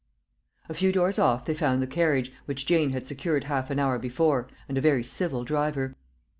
A few doors off they found the carriage, which Jane had secured half an hour before, and a very civil driver.